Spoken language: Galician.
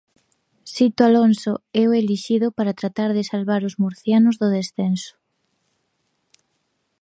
Sito Alonso é o elixido para tratar de salvar os murcianos do descenso.